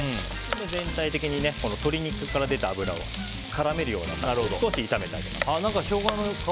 全体的に鶏肉から出た脂を絡める感じで少し炒めてあげます。